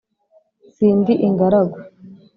sindi ingaragu.